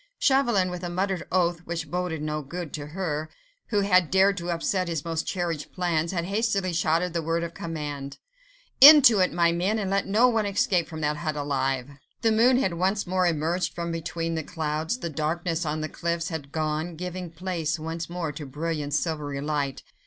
Chauvelin, with a muttered oath, which boded no good to her, who had dared to upset his most cherished plans, had hastily shouted the word of command,— "Into it, my men, and let no one escape from that hut alive!" The moon had once more emerged from between the clouds: the darkness on the cliffs had gone, giving place once more to brilliant, silvery light.